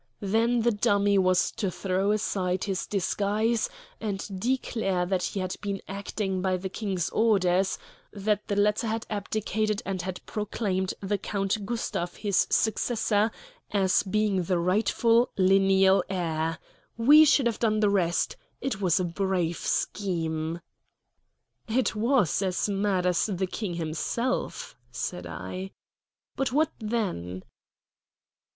Then the dummy was to throw aside his disguise and declare that he had been acting by the King's orders; that the latter had abdicated and had proclaimed the Count Gustav his successor, as being the rightful lineal heir. We should have done the rest. It was a brave scheme." "It was as mad as the King himself," said I. "But what then?"